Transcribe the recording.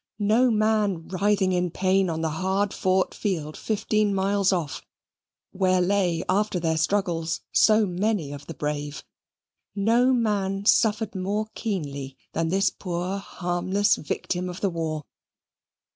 No man writhing in pain on the hard fought field fifteen miles off, where lay, after their struggles, so many of the brave no man suffered more keenly than this poor harmless victim of the war.